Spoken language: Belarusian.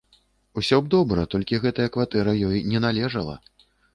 Усё б добра, толькі гэтая кватэра ёй не належала.